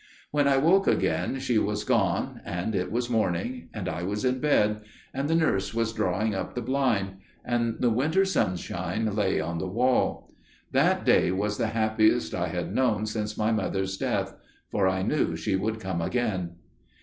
"When I woke again she was gone, and it was morning, and I was in bed, and the nurse was drawing up the blind, and the winter sunshine lay on the wall. That day was the happiest I had known since my mother's death; for I knew she would come again.